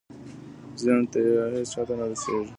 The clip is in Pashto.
زیان یې هېچا ته نه رسېږي.